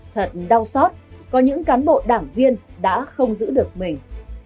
thật đau xót có những cán bộ đảng viên đã không giữ được mình